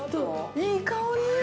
いい香り！